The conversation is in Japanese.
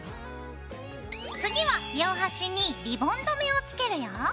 次は両端にリボン留めをつけるよ。